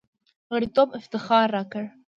غړیتوب افتخار راکړ.